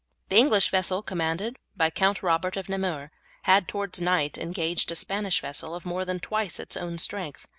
The English vessel commanded by Count Robert of Namur had towards night engaged a Spanish vessel of more than twice its own strength.